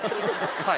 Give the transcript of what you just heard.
はい。